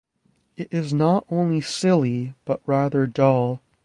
It is not only silly but rather dull.